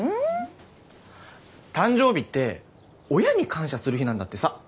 誕生日って親に感謝する日なんだってさ。